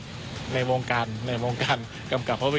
ภาพยนตร์เรื่องนี้นะคะคาดว่าจะใช้ระยะเวลาในการถ่ายธรรมประมาณ๒เดือนเสร็จนะคะ